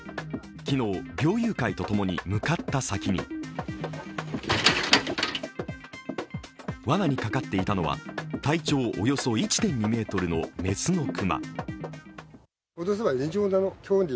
昨日、猟友会と共に向かった先にわなにかかっていたのは体長およそ１．２ｍの雌の熊。